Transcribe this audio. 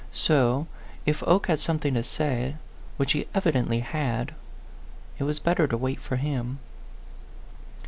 So, if Oke had something to say, which he evidently had, it was better to wait for him.